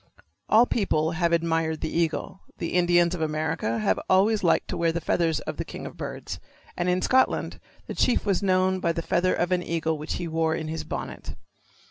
All people have admired the eagle. The Indians of America have always liked to wear the feathers of the king of birds, and in Scotland the chief was known by the feather of an eagle which he wore in his bonnet.